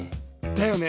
だよね。